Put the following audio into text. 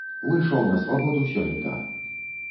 Выйшаў на свабоду сёлета.